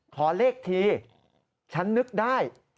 ขอเลขทีฉันนึกได้